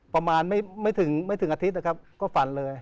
ประมาณไม่ถึงไม่ถึงอาทิตย์นะครับก็ฝันเลย